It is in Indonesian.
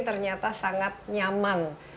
ternyata sangat nyaman